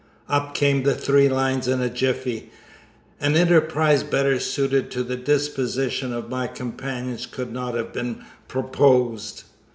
Up came the three lines in a jiffy. An enterprise better suited to the disposition of my companions could not have been proposed.